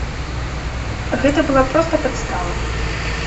Гэта была проста падстава.